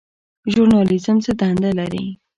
ژورنالیزم څه دنده لري؟